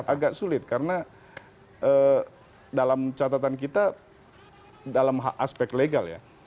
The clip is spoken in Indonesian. agak sulit karena dalam catatan kita dalam aspek legal ya